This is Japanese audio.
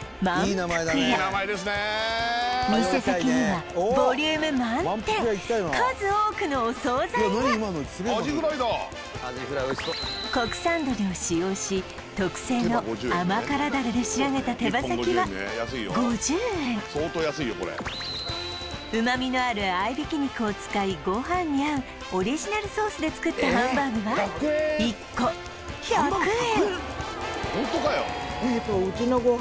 店先にはボリューム満点数多くのお総菜が国産鶏を使用し特製の甘辛ダレで仕上げた手羽先は５０円旨みのある合いびき肉を使いご飯に合うオリジナルソースで作ったハンバーグは１個１００円